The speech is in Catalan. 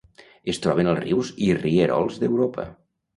Es troben als rius i rierols d'Europa.